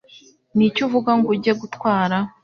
Niki uvuga ngo ujye gutwara?